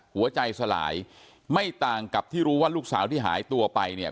หัวใจสลายไม่ต่างกับที่รู้ว่าลูกสาวที่หายตัวไปเนี่ย